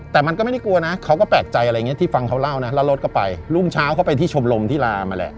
แต่มันก็ไม่ได้กลัวนะเขาก็แปลกใจอะไรอย่างเงี้ที่ฟังเขาเล่านะแล้วรถก็ไปรุ่งเช้าเขาไปที่ชมรมที่ลามาแหละ